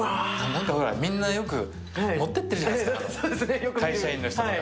みんなよく持っていってるじゃないですか、会社員の人とか。